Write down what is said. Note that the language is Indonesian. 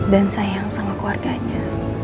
dan sayang sama keluarganya